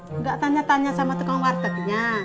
enggak tanya tanya sama tukang wartegnya